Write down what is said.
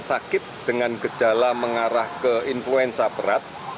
sakit dengan gejala mengarah ke influenza berat